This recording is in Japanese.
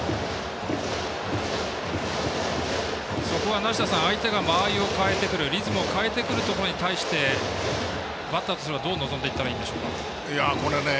そこは梨田さん相手が間合いを変えてくるリズムを変えてくるところに対してバッターとすればどう臨んでいったらいいんですか。